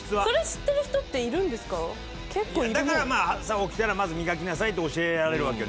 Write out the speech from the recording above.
だからまあ朝起きたらまずみがきなさいって教えられるわけよ